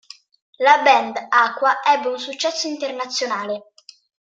La band, Aqua, ebbe un successo internazionale.